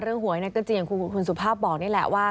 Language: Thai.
หวยก็จริงอย่างคุณสุภาพบอกนี่แหละว่า